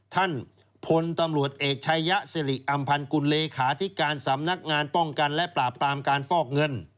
ท่านพลตำรวจเอกชายะสิริอำพันธ์กุลเลขาธิการสำนักงานป้องกันและปราบปรามการฟอกเงิน